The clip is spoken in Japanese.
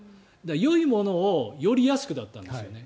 よいものをより安くだったんですよね。